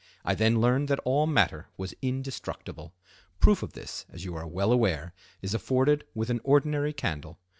I then learned that all matter was indestructible. Proof of this, as you are well aware, is afforded with an ordinary candle.